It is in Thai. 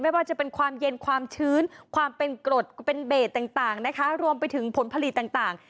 ว่าจะเป็นความเย็นความชื้นความเป็นกรดเป็นเบสต่างนะคะรวมไปถึงผลผลิตต่าง